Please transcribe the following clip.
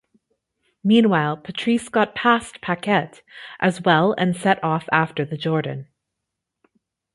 Meanwhile, Patrese got past Piquet as well and set off after the Jordan.